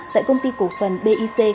tại công ty cổ phần bic